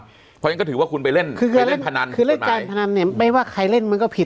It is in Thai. เพราะฉะนั้นก็ถือว่าคุณไปเล่นเล่นการพนันเป็นภายใบต่อจุดใหม่ไม่ว่าใครเล่นมันก็ผิด